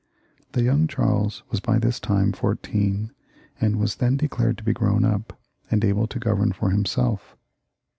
The young Charles was by this time fourteen, and was then declared to be grown up, and able to govern for imself.